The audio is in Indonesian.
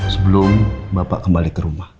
sebelum bapak kembali ke rumah